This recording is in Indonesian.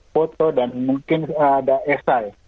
foto dan mungkin ada esai